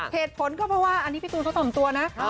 เหตุผลก็เพราะว่าอันนี้พี่ตูนเขาต่อมตัวนะ